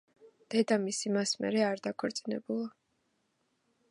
დედამისი მას მერე არ დაქორწინებულა.